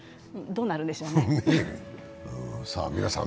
どうなるんでしょうね。